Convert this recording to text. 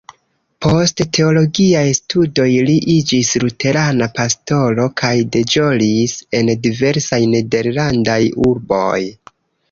Post teologiaj studoj li iĝis luterana pastoro, kaj deĵoris en diversaj nederlandaj urboj.